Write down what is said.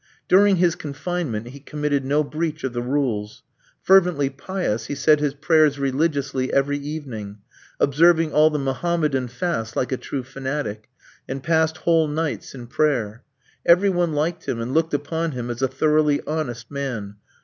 During his confinement he committed no breach of the rules. Fervently pious, he said his prayers religiously every evening, observed all the Mohammedan fasts like a true fanatic, and passed whole nights in prayer. Every one liked him, and looked upon him as a thoroughly honest man.